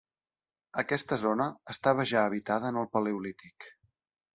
Aquesta zona estava ja habitada en el paleolític.